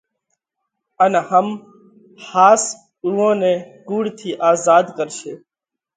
ان هم ۿاس اُوئون نئہ ڪُوڙ ٿِي آزاڌ ڪرشي۔